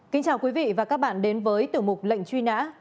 kính chào quý vị và các bạn đến với tiểu mục lệnh truy nã